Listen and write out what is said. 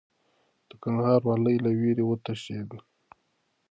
د کندهار والي له ویرې وتښتېد.